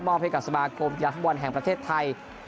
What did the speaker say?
ให้กับสมาคมกีฬาฟุตบอลแห่งประเทศไทย